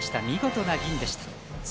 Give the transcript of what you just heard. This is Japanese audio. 見事な銀でした。